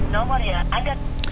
nomor ya ada